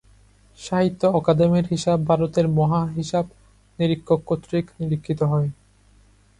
সাহিত্য অকাদেমির হিসাব ভারতের মহা হিসাবনিরীক্ষক কর্তৃক নিরীক্ষিত হয়।